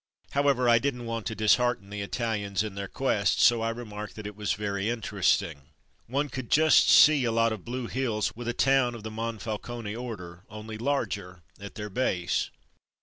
How ever, I didn't want to dishearten the Italians in their quest, so I remarked that it was "very interesting."' One could just see a lot of blue hills with a town of the Mon falcone order, only larger, at their base.